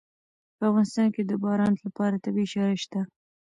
په افغانستان کې د باران لپاره طبیعي شرایط شته.